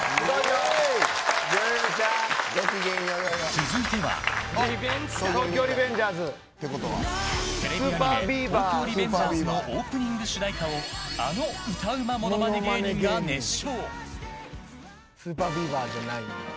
続いては、テレビアニメ「東京リベンジャーズ」のオープニング主題歌をあの歌うまモノマネ芸人が熱唱。